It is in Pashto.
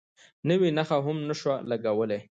نوې نښه هم نه شو لګولی.